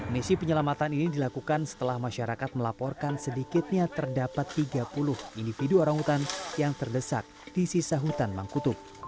misi penyelamatan ini dilakukan setelah masyarakat melaporkan sedikitnya terdapat tiga puluh individu orang hutan yang terdesak di sisa hutan mangkutuk